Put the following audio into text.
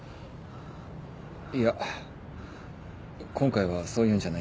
いや今回はそういうんじゃないんだ。